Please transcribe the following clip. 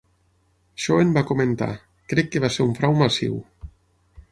Schoen va comentar, "Crec que va ser un frau massiu".